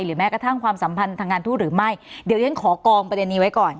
แม้กระทั่งความสัมพันธ์ทางการทูตหรือไม่เดี๋ยวฉันขอกองประเด็นนี้ไว้ก่อน